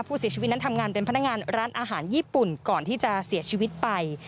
ผู้เสียชีวิตนั้นทำงานเป็นพนักงานร้านอาหารญี่ปุ่นก่อนที่จะเสียชีวิตไป